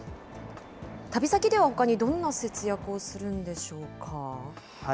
旅先ではほかにどんな節約をするんでしょうか。